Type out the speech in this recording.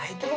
gak ada apa